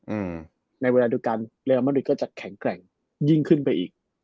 อืมในเวลาเดียวกันเรียลมริก็จะแข็งแกร่งยิ่งขึ้นไปอีก